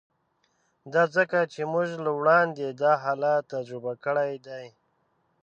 دا ځکه چې موږ له وړاندې دا حالت تجربه کړی دی